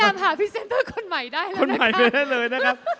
แม่นามหาพรีเซนเตอร์คนใหม่ได้แล้วนะครับ